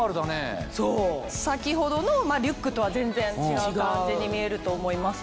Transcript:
先ほどのリュックとは全然違う感じに見えると思います。